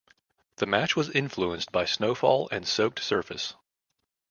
The match was influenced by snowfall and soaked surface.